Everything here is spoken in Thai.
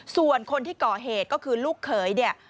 ส่วนคนที่ก่อเหตุก็คือลูกเขยเนี่ย